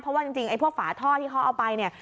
เพราะว่าจริงไอ้พวกฝาท่อที่เขาเอาไปเนี่ย